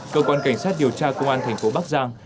cơ quan cảnh sát điều tra công an thành phố bắc giang